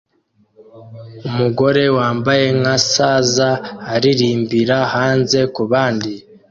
Umugore wambaye nka saza aririmbira hanze kubandi